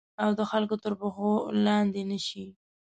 او د خلګو تر پښو لاندي نه شي